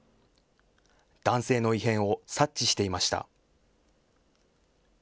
男性の異変を察知していました。